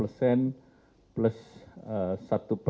relatif masuk di dalam